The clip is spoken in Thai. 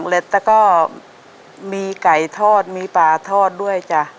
แล้วก็มีไก่ทอดมีปลาทอดด้วยจ้ะ